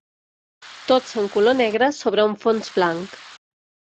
Tots en color negre sobre un fons blanc.